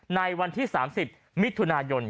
ในวันที่๓๐มิถุนายน